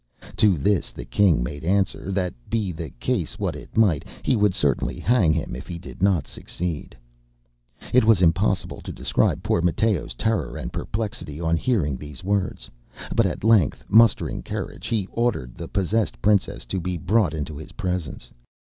To this the king made answer, that be the case what it might, he would certainly hang him if he did not succeed. It is impossible to describe poor MatteoŌĆÖs terror and perplexity on hearing these words; but at length mustering courage, he ordered the possessed princess to be brought into his presence.